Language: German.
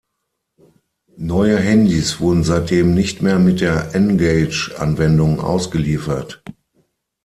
Neue Handys wurden seitdem nicht mehr mit der N-Gage-Anwendung ausgeliefert.